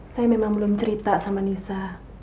saya memang belum cerita sama nisa